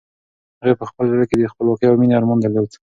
هغې په خپل زړه کې د خپلواکۍ او مېنې ارمان درلود.